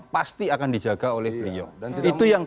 pasti akan dijaga oleh beliau